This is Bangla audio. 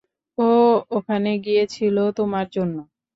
ও ওখানে গিয়েছিল তোমার জন্য।